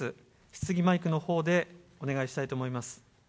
質疑マイクのほうでお願いしたいと思います。